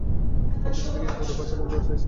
সবকিছুতেই কি কুকুরের পাছার গন্ধ হয়ে গেছে।